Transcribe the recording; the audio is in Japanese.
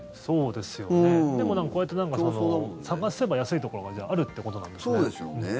でもこうやって探せば安いところがじゃああるってことなんですね。